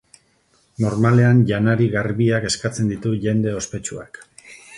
Normalean janari garbiak eskatzen ditu jende ospetsuak.